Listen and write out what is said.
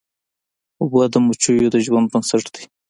اوبه د مچیو د ژوند بنسټ دي.